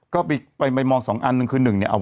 ก็ไปมองสองอันหนึ่งคือหนึ่งเนี่ย